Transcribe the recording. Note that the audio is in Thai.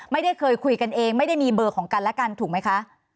ไม่ได้เคยคุยกันเองไม่ได้มีเบอร์ของกันและกันถูกไหมคะ